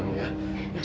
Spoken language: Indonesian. jangan sabar ya mama